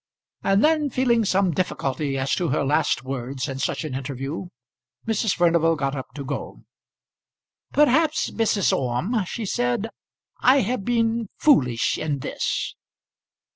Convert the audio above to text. And then feeling some difficulty as to her last words in such an interview, Mrs. Furnival got up to go. "Perhaps, Mrs. Orme," she said, "I have been foolish in this."